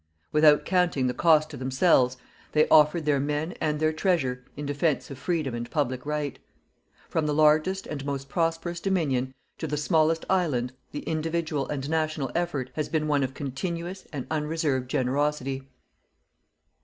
Without counting the cost to themselves, they offered their men and their treasure in defence of freedom and public right. From the largest and most prosperous Dominion to the smallest island the individual and national effort has been one of continuous and unreserved generosity.